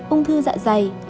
ung thư dạ dày